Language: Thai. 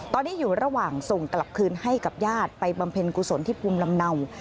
ตอนนี้อยู่ระหว่างส่งกลับคืนให้กับญาติไปบำเพ็ญกุศลที่ภูมิลำเนา